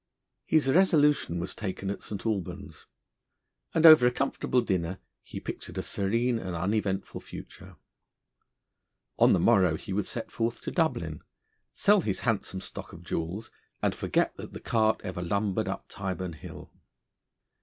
His resolution was taken at St. Albans, and over a comfortable dinner he pictured a serene and uneventful future. On the morrow he would set forth to Dublin, sell his handsome stock of jewels, and forget that the cart ever lumbered up Tyburn Hill.